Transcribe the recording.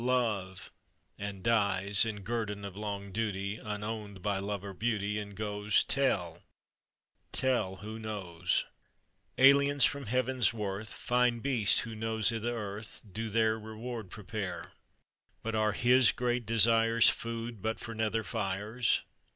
Love!' and dies, "In guerdon of long duty, Unowned by Love or Beauty; And goes Tell, tell, who knows! "Aliens from Heaven's worth, Fine beasts who nose i' the earth, Do there Reward prepare. "But are his great desires Food but for nether fires?